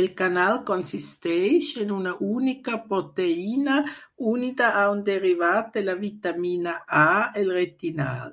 El canal consisteix en una única proteïna unida a un derivat de la vitamina A, el retinal.